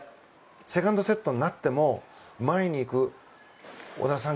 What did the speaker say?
セカンドセットになっても前に行く小田さん。